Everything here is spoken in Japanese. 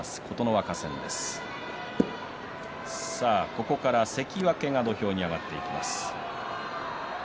ここから関脇が土俵に上がってきます。